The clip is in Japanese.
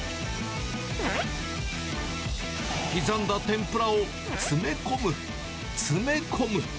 刻んだ天ぷらを詰め込む、詰め込む。